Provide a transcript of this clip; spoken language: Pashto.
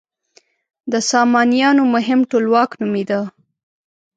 د سامانیانو مهم ټولواک نومېده.